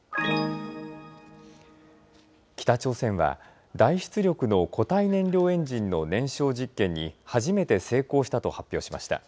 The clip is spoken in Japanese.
北朝鮮は、大出力の固体燃料エンジンの燃焼実験に初めて成功したと発表しました。